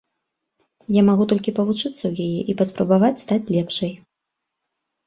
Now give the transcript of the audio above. Я магу толькі павучыцца ў яе і паспрабаваць стаць лепшай.